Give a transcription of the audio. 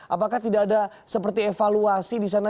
apakah tidak ada seperti evaluasi di sana